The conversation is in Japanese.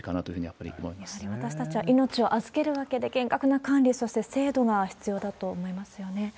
やはり私たちは命を預けるわけで、厳格な管理、そして制度が必要だと思いますよね。